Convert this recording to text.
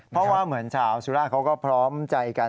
เพราะว่าเหมือนชาวสุราชเขาก็พร้อมใจกัน